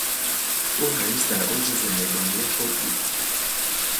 او هنوز در اوج زندگانی خود بود.